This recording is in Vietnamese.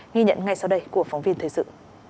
ghi nhận ngay sau đây của phóng viên thời sự